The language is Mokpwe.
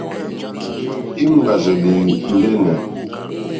Íŋ!ɡbárzèlì ndɛ́nɛ̀.